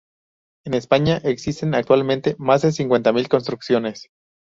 En España existen actualmente más de cincuentamil construcciones